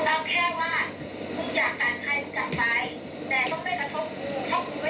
ถ้าเป็นนั่นคุณก็ต้องพื้นละข่าวส่วนกลางเลย